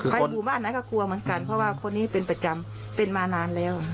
หมู่บ้านไหนก็กลัวเหมือนกันเพราะว่าคนนี้เป็นประจำเป็นมานานแล้ว